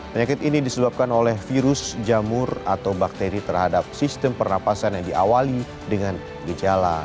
penyakit ini disebabkan oleh virus jamur atau bakteri terhadap sistem pernafasan yang diawali dengan gejala